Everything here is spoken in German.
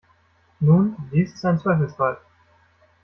Nun, dies ist ein Zweifelsfall.